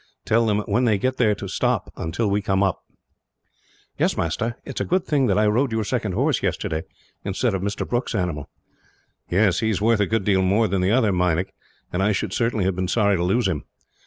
Tell them when they get there to stop, until we come up." "Yes, master. It is a good thing that I rode your second horse, yesterday, instead of Mr. Brooke's animal." "Yes, he is worth a good deal more than the other, Meinik, and I should certainly have been sorry to lose him."